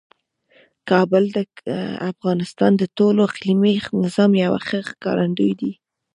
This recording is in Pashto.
کابل د افغانستان د ټول اقلیمي نظام یو ښه ښکارندوی دی.